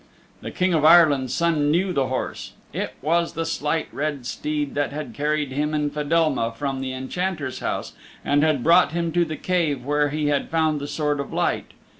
The King of Ireland's Son knew the horse it was the Slight Red Steed that had carried him and Fedelma from the Enchanter's house and had brought him to the Cave where he had found the Sword of Light.